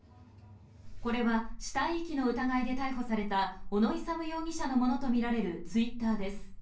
これは死体遺棄の疑いで逮捕された小野勇容疑者のものとみられるツイッターです。